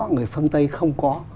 người phương tây không có